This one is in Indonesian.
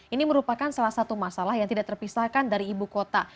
ini merupakan salah satu masalah yang tidak terpisahkan dari ibu kota